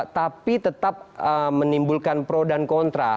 tapi tetap menimbulkan pro dan kontra